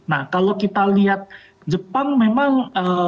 nah kalau kita lihat jepang memang